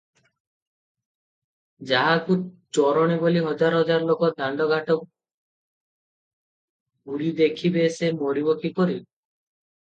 ଯାହାକୁ ଚୋରଣୀ ବୋଲି ହଜାର ହଜାର ଲୋକ ଦାଣ୍ଡଘାଟ ପୂରି ଦେଖିବେ ସେ ମରିବ କିପରି?